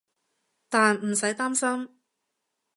但唔使擔心